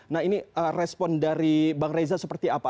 nah ini respon dari bang reza seperti apa